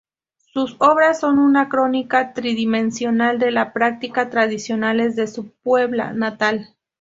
Sus obras son una crónica tridimensional de las prácticas tradicionales de su Puebla natal.